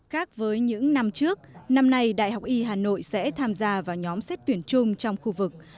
khác với những năm trước năm nay đại học y hà nội sẽ tham gia vào nhóm xét tuyển chung trong khu vực